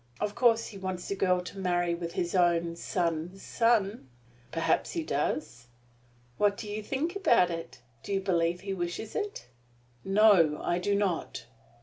Of course he wants the girl to marry with his own son's son." "Perhaps he does." "What do you think about it? Do you believe he wishes it?" "No, I do not!"